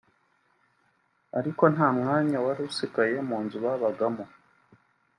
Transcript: ariko nta mwanya wari usigaye mu nzu babagamo